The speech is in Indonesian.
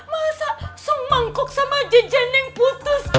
masa se mangkok sama jenjen yang putus